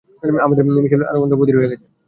আমাদের মিশেল অন্ধ আর বধির হয়ে গেছে।